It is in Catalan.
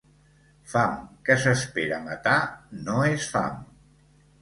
Fam que s'espera matar, no és fam.